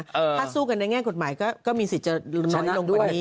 ถ้าสู้กันในแง่กฏหมายก็มีสิทธิ์หนูลงดี